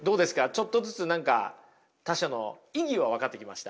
ちょっとずつ何か他者の意味は分かってきました？